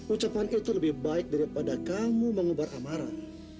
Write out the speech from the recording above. ucapan itu lebih baik daripada kamu mengubah amaran